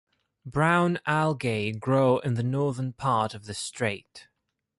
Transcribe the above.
Brown algae grow in the northern part of the strait.